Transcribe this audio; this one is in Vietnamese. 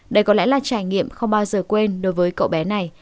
đây có lẽ là trải nghiệm không bao giờ quên đối với cậu bé này